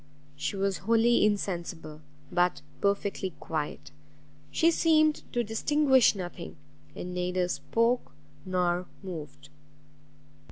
She was wholly insensible, but perfectly quiet; she seemed to distinguish nothing, and neither spoke nor moved.